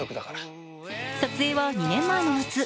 撮影は２年前の夏。